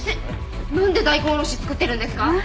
なんで大根おろし作ってるんですか？